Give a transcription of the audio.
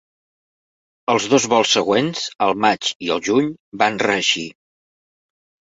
Els dos vols següents, al maig i el juny, van reeixir.